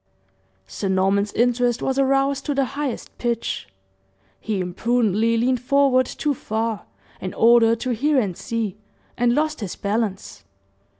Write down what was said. Sir Norman's interest was aroused to the highest pitch; he imprudently leaned forward too far, in order to hear and see, and lost his balance.